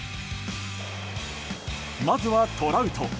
まずはトラウト。